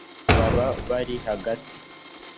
baba bari hagati